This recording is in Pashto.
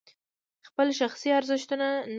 خپل شخصي ارزښتونه لري.